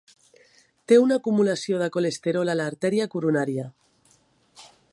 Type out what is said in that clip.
Té una acumulació de colesterol a l'arteria coronària.